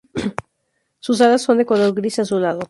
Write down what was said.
Sus alas son de color gris azulado.